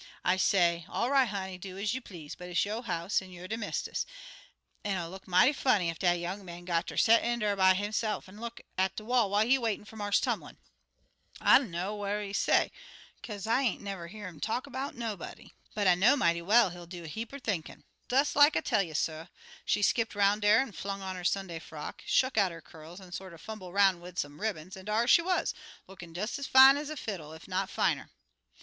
I say, 'All right, honey, do ez you please; but it's yo' house; you er de mist'iss; an' it'll look mighty funny ef dat young man got ter set in dar by hisse'f an' look at de wall whiles he waitin' fer Marse Tumlin. I dunner what he'll say, kaze I ain't never hear 'im talk 'bout nobody; but I know mighty well he'll do a heap er thinkin'.' "Des like I tell you, suh she skipped 'roun' dar, an' flung on 'er Sunday frock, shuck out 'er curls, an' sorter fumble' 'roun' wid some ribbons, an' dar she wuz, lookin' des ez fine ez a fiddle, ef not finer.